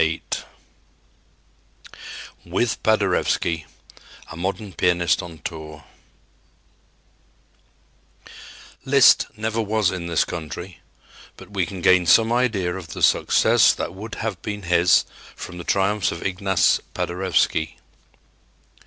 VIII WITH PADEREWSKI A MODERN PIANIST ON TOUR Liszt never was in this country, but we can gain some idea of the success that would have been his from the triumphs of Ignace Paderewski.